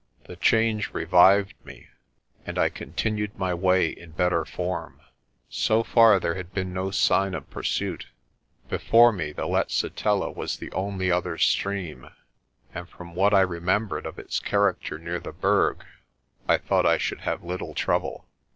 The change revived me, and I continued my way in bet ter form. So far there had been no sign of pursuit. Before me the Letsitela was the only other stream, and from what I remembered of its character near the Berg I thought I should have little trouble.